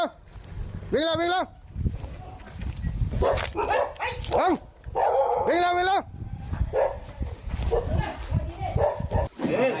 โอเควิ่งแล้ววิ่งแล้ววิ่งแล้ววิ่งแล้ววิ่งแล้ว